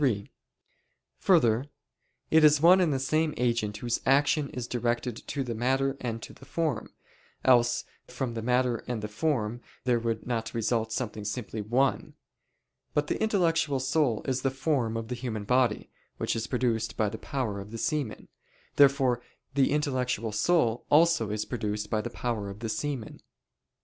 3: Further, it is one and the same agent whose action is directed to the matter and to the form: else from the matter and the form there would not result something simply one. But the intellectual soul is the form of the human body, which is produced by the power of the semen. Therefore the intellectual soul also is produced by the power of the semen.